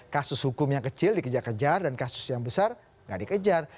kasus hukum yang kecil dikejar kejar dan kasus yang besar nggak dikejar